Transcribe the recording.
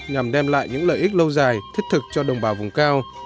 nhằm đem lại những lợi ích lâu dài thích thực cho đồng báo vùng cao